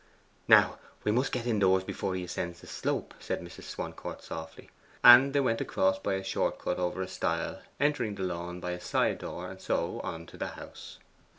'Now we must get indoors before he ascends the slope,' said Mrs. Swancourt softly. And they went across by a short cut over a stile, entering the lawn by a side door, and so on to the house.